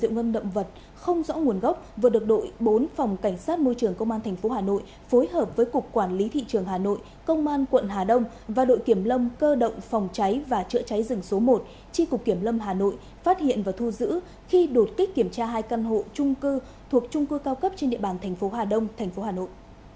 hơn một trăm linh bình rượu ngâm động vật không rõ nguồn gốc vừa được đội bốn phòng cảnh sát môi trường công an tp hà nội phối hợp với cục quản lý thị trường hà nội công an quận hà đông và đội kiểm lâm cơ động phòng cháy và chữa cháy rừng số một chi cục kiểm lâm hà nội phát hiện và thu giữ khi đột kích kiểm tra hai căn hộ trung cư thuộc trung cư cao cấp trên địa bàn tp hà đông tp hà nội